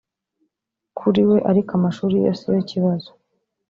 Kuri we ariko amashuri siyo kibazo